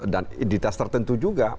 dan identitas tertentu juga